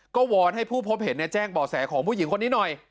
ก็วอนให้ผู้พบเห็นแจ้งบ่อแสของผู้หญิงคนนี้หน่อย